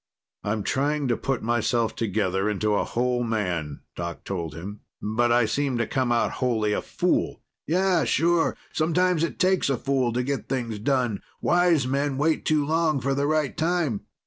"I'm trying to put myself together into a whole man," Doc told him. "But I seem to come out wholly a fool." "Yeah, sure. Sometimes it takes a fool to get things done; wise men wait too long for the right time.